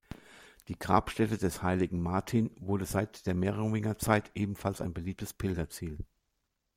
Die Grabstätte des Heiligen Martin wurde seit der Merowingerzeit ebenfalls ein beliebtes Pilgerziel.